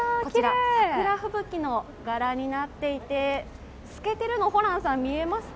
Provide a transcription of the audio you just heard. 桜吹雪の柄になっていて透けてるの、ホランさん見えますか？